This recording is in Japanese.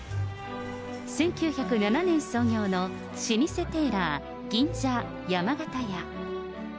１９０７年創業の老舗テーラー、銀座山形屋。